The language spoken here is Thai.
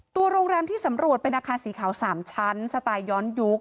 โรงแรมที่สำรวจเป็นอาคารสีขาว๓ชั้นสไตล์ย้อนยุค